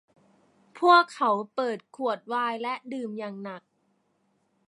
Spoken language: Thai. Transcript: พวกเขาเปิดขวดไวน์และดื่มอย่างหนัก